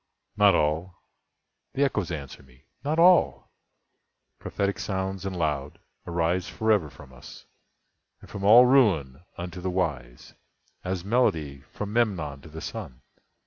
"Not all"—the Echoes answer me—"not all! Prophetic sounds and loud, arise forever From us, and from all Ruin, unto the wise, As melody from Memnon to the Sun.